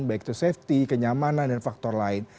baik itu safety kenyamanan dan faktor lain